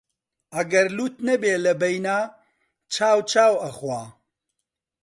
ئەگەر لووت نەبێ لەبەینا، چاو چاو ئەخوا